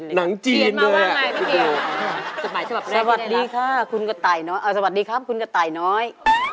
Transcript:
หนังจีนเลยค่ะพี่เกียร์จดหมายสบับแรกได้แล้วสวัสดีค่ะคุณกระไต่น้อย